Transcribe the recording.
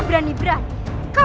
gue si prabu